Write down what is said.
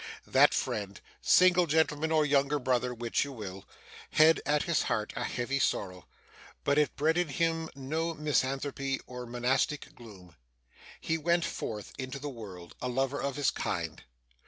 That friend single gentleman, or younger brother, which you will had at his heart a heavy sorrow; but it bred in him no misanthropy or monastic gloom. He went forth into the world, a lover of his kind.